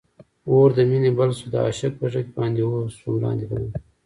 اور د مینی بل سو د عاشق پر زړګي باندي، اوسوم لاندی باندي